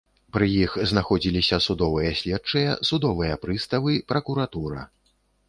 Пры іх знаходзіліся судовыя следчыя, судовыя прыставы, пракуратура.